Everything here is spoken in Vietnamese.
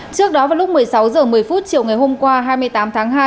trước đó vào lúc một mươi sáu h một mươi chiều ngày hôm qua hai mươi tám tháng hai